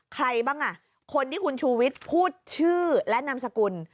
ใครบ้างอ่ะคนที่คุณชูวิทย์พูดชื่อและนามสกุล